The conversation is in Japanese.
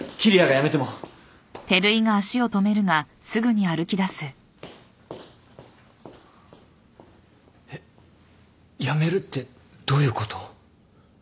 辞めるってどういうこと？